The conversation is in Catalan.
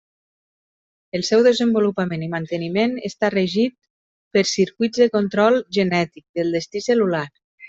El seu desenvolupament i manteniment està regit per circuits de control genètic del destí cel·lular.